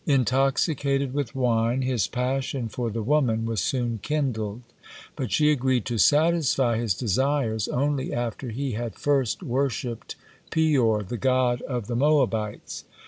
Intoxicated with wine, his passion for the woman was soon kindled, but she agreed to satisfy his desires only after he had first worshipped Peor, the god of the Moabites.